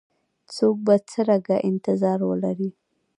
څوک به څرنګه انتظار ولري؟